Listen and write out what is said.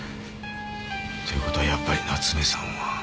ってことはやっぱり夏目さんは。